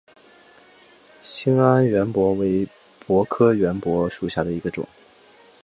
兴安圆柏为柏科圆柏属下的一个种。